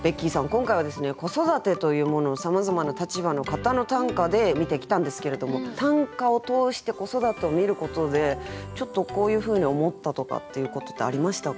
今回は「子育て」というものをさまざまな立場の方の短歌で見てきたんですけれども短歌を通して子育てを見ることでちょっとこういうふうに思ったとかっていうことってありましたか？